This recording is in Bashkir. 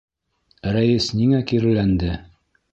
Рәйес ниңә киреләнде?